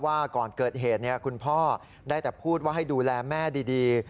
ก่อนเกิดเหตุคุณพ่อได้แต่พูดว่าให้ดูแลแม่ดี